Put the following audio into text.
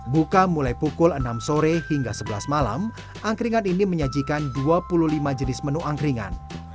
buka mulai pukul enam sore hingga sebelas malam angkringan ini menyajikan dua puluh lima jenis menu angkringan